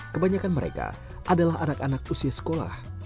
kebanyakan mereka adalah anak anak usia sekolah